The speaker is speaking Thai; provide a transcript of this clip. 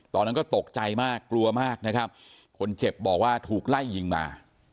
ตอนนั้นก็ตกใจมากกลัวมากนะครับคนเจ็บบอกว่าถูกไล่ยิงมา